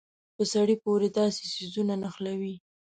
په سړي پورې داسې څيزونه نښلوي.